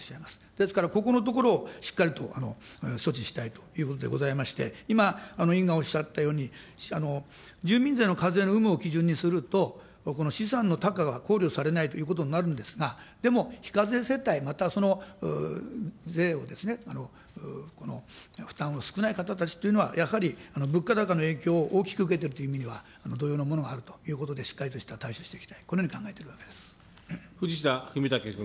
ですからここのところを、しっかりと措置したいということでございまして、今、委員がおっしゃったように、住民税の課税の有無を基準にすると、資産の多寡が考慮されないということになるんですが、でも非課税世帯、または税を負担の少ない方たちというのは、やはり物価高の影響を大きく受けているという意味では同様のものがあるということで、しっかりとした対処をしていきたい、このよ藤田文武君。